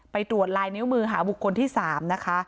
ไปตรวจลายนิ้วมือหาบุคคลที่๓นะคะ